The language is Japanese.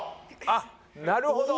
あっなるほど！